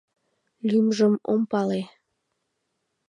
Лӱмжым ом пале.